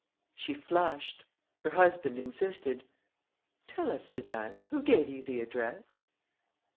She flushed. Her husband insisted: "Tell us, Suzanne. Who gave you the address?"